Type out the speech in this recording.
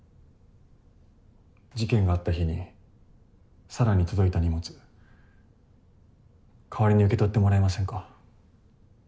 事件があった日に沙良に届いた荷物代わりに受け取ってもらえませんか。